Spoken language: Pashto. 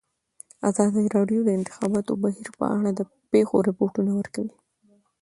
ازادي راډیو د د انتخاباتو بهیر په اړه د پېښو رپوټونه ورکړي.